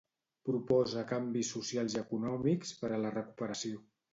Proposa canvis socials i econòmics per a la recuperació.